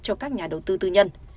cho các nhà đầu tư tư nhân